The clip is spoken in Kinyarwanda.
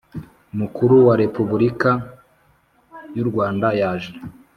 Mukuru wa Repubulika y u Rwanda yaje